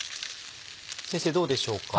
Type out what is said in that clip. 先生どうでしょうか？